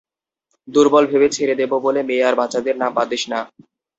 দুর্বল ভেবে ছেড়ে দেবো বলে মেয়ে আর বাচ্চাদের নাম বাদ দিস না।